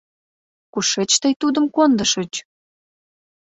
Кушеч тый тудым кондышыч?